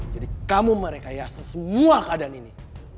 kamu merekayasa semua keadaan ini